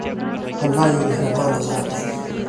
الله يو مهربان ذات دی.